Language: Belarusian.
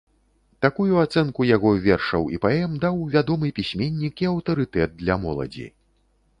Такую ацэнку яго вершаў і паэм даў вядомы пісьменнік і аўтарытэт для моладзі.